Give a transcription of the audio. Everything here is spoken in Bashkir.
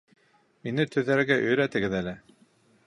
Мине төҙәргә өйрәтегеҙ әле